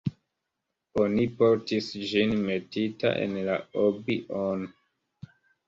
Oni portis ĝin metita en la "obi-on".